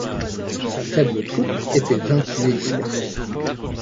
Sa faible troupe était vaincue et dispersée.